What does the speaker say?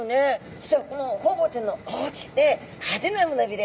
実はこのホウボウちゃんの大きくて派手な胸びれ。